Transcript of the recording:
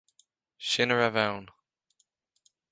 Sin a raibh ann.